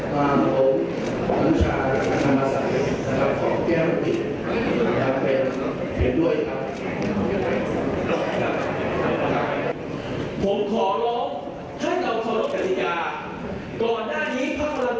ขณะที่พลังประชารัฐพลังประชารัฐนะครับ